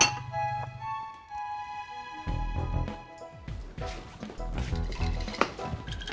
nanti aku ambil